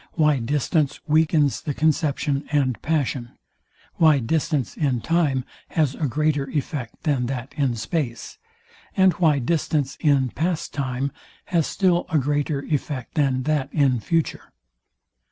Why distance weakens the conception and passion: Why distance in time has a greater effect than that in space: And why distance in past time has still a greater effect than that in future.